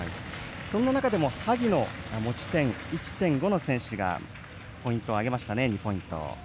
そんな中でも萩野持ち点１．５の選手が２ポイントを挙げましたね。